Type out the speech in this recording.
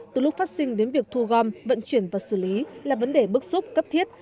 từ lúc phát sinh đến việc thu gom vận chuyển và xử lý là vấn đề bức xúc cấp thiết